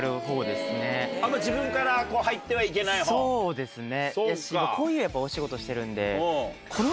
そうですね。